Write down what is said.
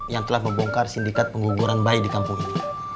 yang telah membongkar sindikat pengguguran bayi di kampung ini